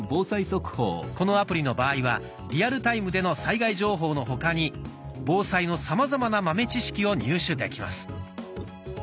このアプリの場合はリアルタイムでの災害情報の他に防災のさまざまな豆知識を入手できます。